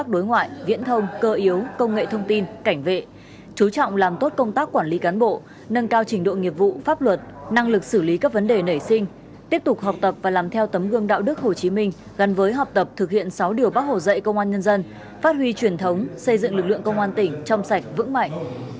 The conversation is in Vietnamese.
đối ngoại viễn thông cơ yếu công nghệ thông tin cảnh vệ chú trọng làm tốt công tác quản lý cán bộ nâng cao trình độ nghiệp vụ pháp luật năng lực xử lý các vấn đề nảy sinh tiếp tục học tập và làm theo tấm gương đạo đức hồ chí minh gắn với học tập thực hiện sáu điều bác hồ dạy công an nhân dân phát huy truyền thống xây dựng lực lượng công an tỉnh trong sạch vững mạnh